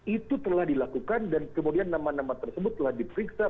itu telah dilakukan dan kemudian nama nama tersebut telah diperiksa